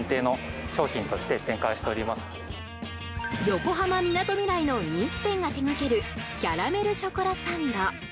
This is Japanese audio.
横浜みなとみらいの人気店が手掛けるキャラメルショコラサンド。